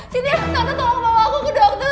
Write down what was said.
sintia tante tolong bawa aku ke dokter